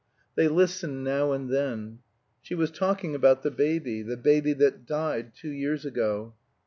They listened now and then. She was talking about the baby, the baby that died two years ago.